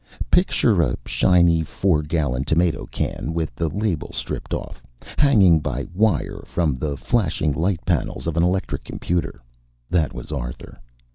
Picture a shiny four gallon tomato can, with the label stripped off, hanging by wire from the flashing light panels of an electric computer. That was Arthur.